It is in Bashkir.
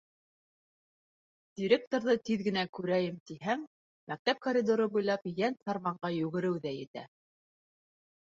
Директорҙы тиҙ генә күрәйем, тиһәң, мәктәп коридоры буйлап йәнфарманға йүгереү ҙә етә.